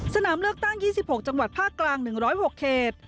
สนามเลือกตั้ง๒๖จังหวัดภาคกลาง๑๐๖เขต